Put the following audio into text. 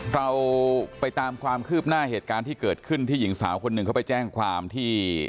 เราไปตามความคืบหน้าเหตุการณ์ที่เกิดขึ้นที่หญิงสาวคนหนึ่งเขาไปแจ้งความที่